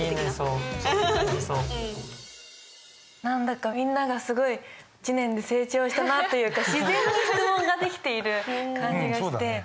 何だかみんながすごい１年で成長したなというか自然に質問ができている感じがして。